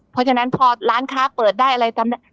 เพราะฉะนั้นพอร้านค้าเปิดได้อะไรตาม